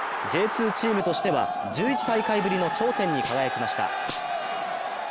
Ｊ２チームとしては１１大会ぶりの頂点に輝きました。